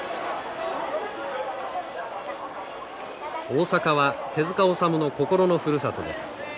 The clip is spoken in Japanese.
大阪は手塚治虫の心のふるさとです。